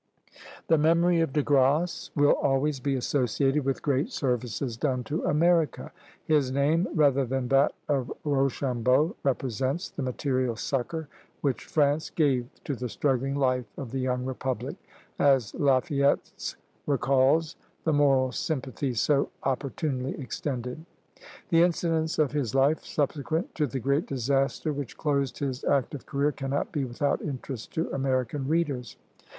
The memory of De Grasse will always be associated with great services done to America. His name, rather than that of Rochambeau, represents the material succor which France gave to the struggling life of the young Republic, as Lafayette's recalls the moral sympathy so opportunely extended. The incidents of his life, subsequent to the great disaster which closed his active career, cannot be without interest to American readers.